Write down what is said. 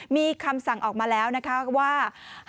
มีคำสั่งออกมาแล้วนะคะว่า